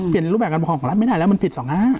รูปแบบการปกครองของรัฐไม่ได้แล้วมันผิด๒๕